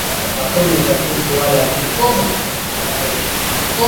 Akuna uchakuzi wala vitu vya upeke